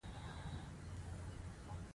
د ماشوم د خوب لپاره د کوم شي تېل وکاروم؟